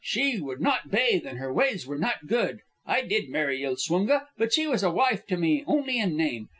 She would not bathe, and her ways were not good ... I did marry Ilswunga, but she was a wife to me only in name.